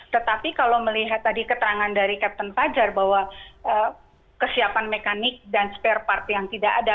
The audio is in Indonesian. tetapi kalau melihat tadi keterangan dari captain fajar bahwa kesiapan mekanik dan spare part yang tidak ada